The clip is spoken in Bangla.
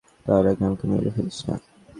তার আগে আমাকে মেরে ফেলিস না।